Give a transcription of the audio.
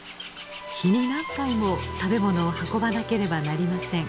日に何回も食べ物を運ばなければなりません。